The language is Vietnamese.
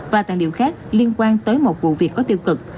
và tài liệu khác liên quan tới một vụ việc có tiêu cực